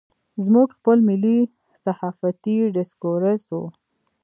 زموږ خپل ملي صحافتي ډسکورس و.